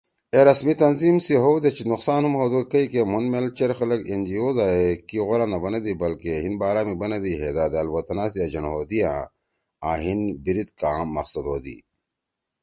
اے رسمی تنظیم سی ہؤدے نقصان ہُم ہودی کئیکہ مُھن میل چیر خلگ این جی اوزا ئے کی غورا نہ بنَدی بلکہ ہیِن بارا می بنَدی ہے دا دأل وطنا سی ایجنٹ ہودی آں ہیِن بیِریِت کآں مقصد ہودی۔